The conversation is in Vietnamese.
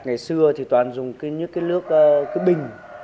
ngày xưa thì toàn dùng những cái nước bình